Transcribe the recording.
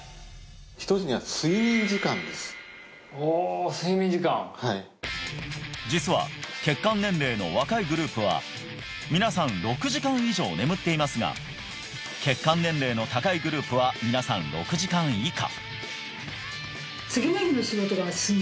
つには睡眠時間はい実は血管年齢の若いグループは皆さん６時間以上眠っていますが血管年齢の高いグループは皆さん６時間以下